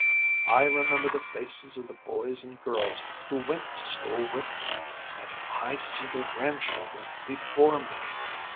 I remember the faces of the boys and girls who went to school with me, and I see their grandchildren before me.